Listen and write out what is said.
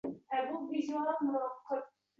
Qorlar erib borar edi.